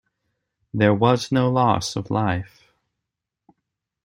There was no loss of life.